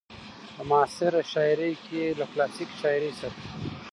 په معاصره شاعرۍ کې له کلاسيکې شاعرۍ سره